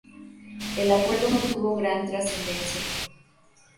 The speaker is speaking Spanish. El acuerdo no tuvo gran trascendencia.